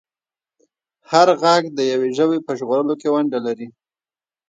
هر غږ د یوې ژبې په ژغورلو کې ونډه لري.